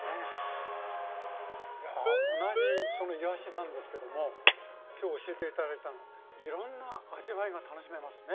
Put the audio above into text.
いや同じそのいわしなんですけども今日教えて頂いたのいろんな味わいが楽しめますね。